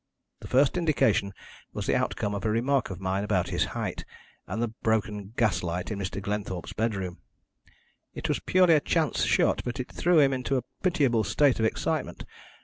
The first indication was the outcome of a remark of mine about his height, and the broken gas light in Mr. Glenthorpe's bedroom. It was purely a chance shot, but it threw him into a pitiable state of excitement.